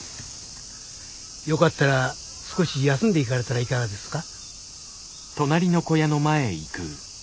よかったら少し休んでいかれたらいかがですか？